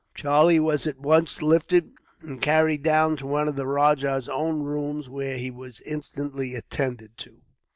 Charlie was at once lifted, and carried down to one of the rajah's own rooms, where he was instantly attended to.